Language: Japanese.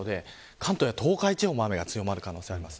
関東や東海地方も雨が強まる可能性があります。